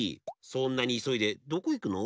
そんなにいそいでどこいくの？